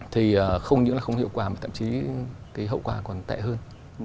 thì không những là không hiệu quả mà tạm chí hậu quả còn tệ hơn